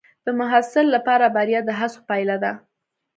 د محصل لپاره بریا د هڅو پایله ده.